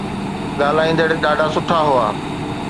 ڳالهائيندڙ ڏاڍا سٺا هئا.